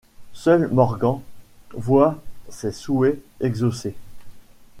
Seul Morgan voit ses souhaits exaucer.